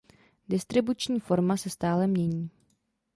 Distribuční forma se stále mění.